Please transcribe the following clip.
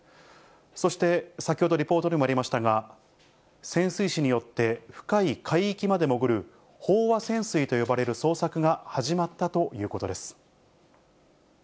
そして先ほど、リポートでもありましたが、潜水士によって深い海域まで潜る、飽和潜水と呼ばれる捜索が始まったということです。